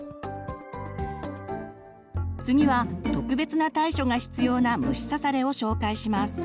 次は特別な対処が必要な虫刺されを紹介します。